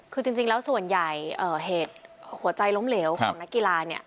คือจริงแล้วส่วนใหญ่เหตุหัวใจล้มเหลวของนักกีฬาเนี่ย